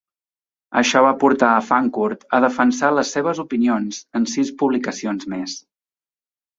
Això va portar a Fancourt a defensar les seves opinions en sis publicacions més.